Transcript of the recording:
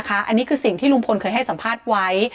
อันนี้คือสิ่งที่ลุงพลเคยให้สัมภาษณ์ไว้